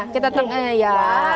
kita tengah ya